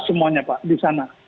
semuanya pak di sana